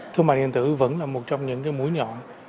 thương mại điện tử vẫn là một trong những cái mũi nhọn